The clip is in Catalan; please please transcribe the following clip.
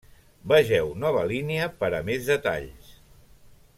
Vegeu nova línia per a més detalls.